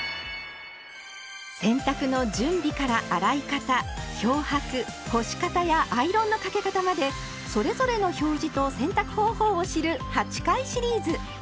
洗濯の準備から洗い方漂白干し方やアイロンのかけ方までそれぞれの表示と洗濯方法を知る８回シリーズ。